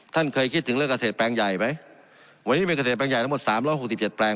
ท่านเคยคิดถึงเรื่องเกษตรแปลงใหญ่ไหมวันนี้เป็นเกษตรแปลงใหญ่ทั้งหมดสามร้อยหกสิบเจ็ดแปลง